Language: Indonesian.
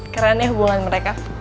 keren ya hubungan mereka